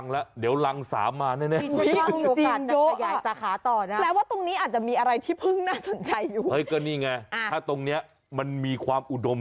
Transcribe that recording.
แล้วว่าตรงนี้อาจจะมีอะไรที่เพิ่งสนใจอยู่ถ้าตรงเนี้ยมันมีความอุดม